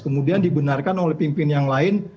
kemudian dibenarkan oleh pimpin yang lain